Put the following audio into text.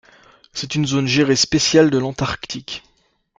C'est une Zone gérée spéciale de l'Antarctique.